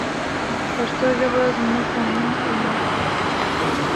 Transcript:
پښتو ژبه زموږ په منځ کې مینه خپروي.